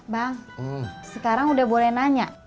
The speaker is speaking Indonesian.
bang sekarang udah boleh nanya